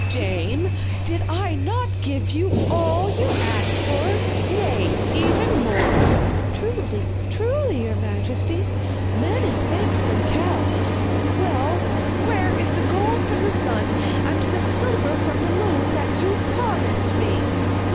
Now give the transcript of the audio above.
'Dame, did I not give you all you asked for nay, even more?' 'Truly, truly, your majesty. Many thanks for the cows.' 'Well, where is the gold from the sun and the silver from the moon that you promised me?